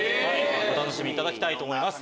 お楽しみいただきたいと思います。